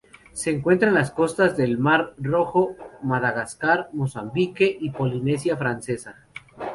Se encuentran en las costas del mar Rojo, Madagascar, Mozambique y Polinesia Francesa.